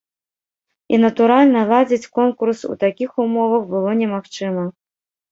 І, натуральна, ладзіць конкурс у такіх умовах было немагчыма.